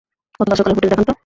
গতকাল সকালের ফুটেজ দেখান তো।